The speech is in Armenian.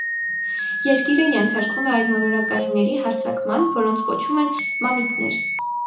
Երկիրը ենթարկվում է այլմոլորակայինների հարձակման, որոնց կոչում են միմիկներ։